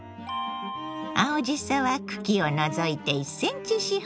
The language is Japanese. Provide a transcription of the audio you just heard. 青じそは茎を除いて１センチ四方。